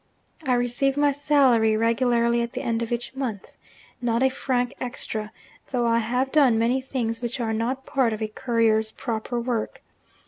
I receive my salary regularly at the end of each month not a franc extra, though I have done many things which are not part of a courier's proper work.